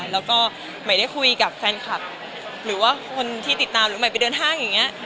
แล้วก็หมายได้คุยกับแฟนคลับหรือว่าคนที่ติดตามหรือหมายไปเดินห้างอย่างนี้